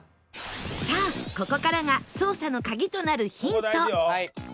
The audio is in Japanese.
さあここからが捜査のカギとなるヒント